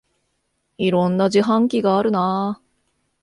いろんな自販機があるなあ